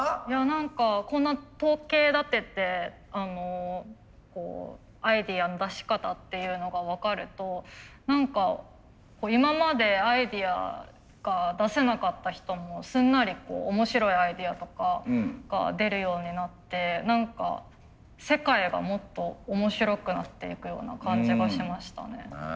何かこんな統計立ててアイデアの出し方っていうのが分かると何か今までアイデアが出せなかった人もすんなり面白いアイデアとかが出るようになって何か世界がもっと面白くなっていくような感じがしましたね。